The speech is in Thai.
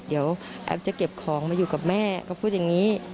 เดี๋ยวแอปจะเก็บของมาอยู่กับแม่ก็พูดอย่างนี้